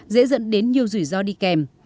dễ dẫn đến nhiều rủi ro đi kèm